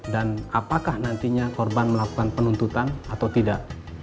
dan apakah nantinya korban melakukan penuntutan atau tidak